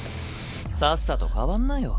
さっさと代わんなよ。